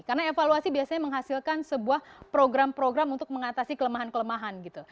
karena evaluasi biasanya menghasilkan sebuah program program untuk mengatasi kelemahan kelemahan gitu